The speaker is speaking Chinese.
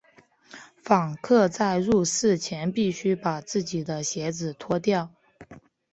访客在入寺前必须把自己的鞋子脱掉。